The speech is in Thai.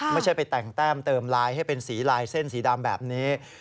ไม่ใช่ไปแต่งแต้มเติมลายให้เป็นสีลายเส้นสีดำแบบนี้